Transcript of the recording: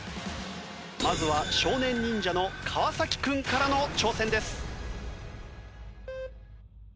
まずは少年忍者の川君からの挑戦です。